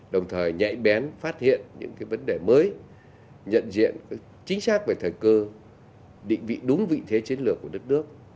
đồng thời nhạy bén phát hiện những vấn đề mới nhận diện chính xác về thời cơ định vị đúng vị thế chiến lược của đất nước